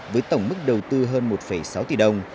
với tổng mức đầu tư hơn một sáu tỷ đồng